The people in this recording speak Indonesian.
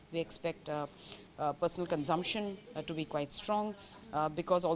kita mengharapkan konsumsi pribadi yang cukup kuat